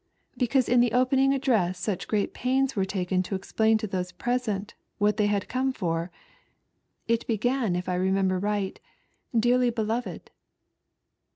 " Because in the opening address such great pains were taken to explain to those present what they had eome for. It began if I remember right, " Dearly beloved."